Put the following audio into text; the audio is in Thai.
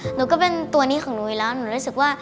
หนูก็เป็นตัวนี้ของหนูอีกแล้ว